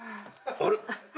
あれ？